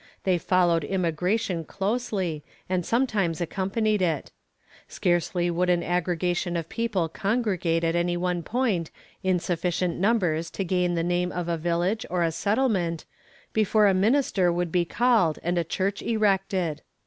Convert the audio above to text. They followed immigration closely, and sometimes accompanied it. Scarcely would an aggregation of people congregate at any one point in sufficient numbers to gain the name of a village, or a settlement, before a minister would be called and a church erected.